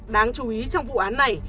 đáng chú ý trong vụ án này